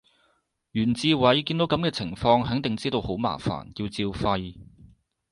袁志偉見到噉嘅情況肯定知道好麻煩，要照肺